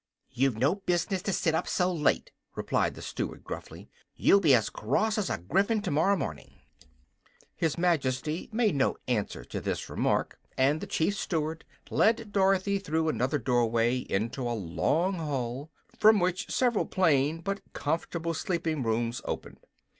"You've no business to sit up so late," replied the Steward, gruffly. "You'll be as cross as a griffin tomorrow morning." His Majesty made no answer to this remark, and the Chief Steward led Dorothy through another doorway into a long hall, from which several plain but comfortable sleeping rooms opened.